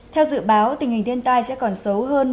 theo dự báo tình hình thiên tai sẽ còn xấu hơn